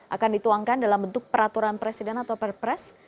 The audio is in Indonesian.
akan dituangkan dalam bentuk peraturan presiden atau perpres